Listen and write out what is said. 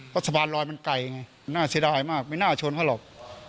เพราะสะพานลอยมันไกลไงน่าเสียดายมากไม่น่าชนเขาหรอก